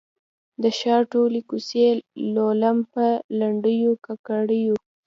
د ښار ټولي کوڅې لولم په لنډېو، کاکړیو